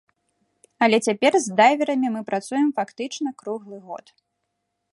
Але цяпер з дайверамі мы працуем фактычна круглы год.